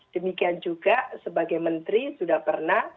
demikian juga sebagai menteri sudah pernah